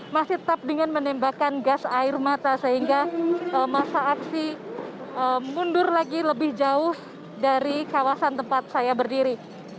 masih tetap dengan menembakkan gas air mata sehingga masa aksi mundur lagi lebih jauh dari kawasan tempat saya berdiri